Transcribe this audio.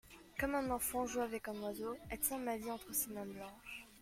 Comme un enfant joue avec un oiseau, Elle tient ma vie entre ses mains blanches.